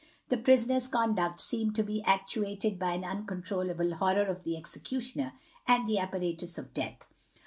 The prisoner's conduct seemed to be actuated by an uncontrollable horror of the executioner and the apparatus of death.